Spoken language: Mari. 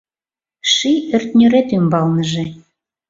Ший ӧртньӧрет ӱмбалныже